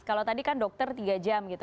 kalau tadi kan dokter tiga jam gitu